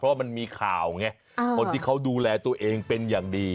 เพราะมันมีข่าวไงคนที่เขาดูแลตัวเองเป็นอย่างดี